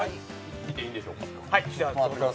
見ていいんでしょうか。